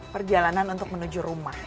perjalanan untuk menuju rumah